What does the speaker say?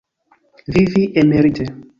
Vivi emerite.